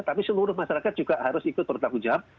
tapi seluruh masyarakat juga harus ikut perintah hujan